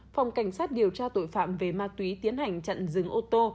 phòng cảnh sát điều tra tội phạm về ma túy tiến hành chặn dừng ô tô